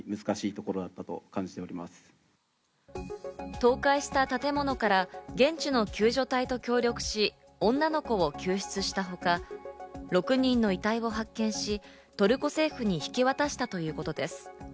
倒壊した建物から現地の救助隊と協力し、女の子を救出したほか、６人の遺体を発見し、トルコ政府に引き渡したということです。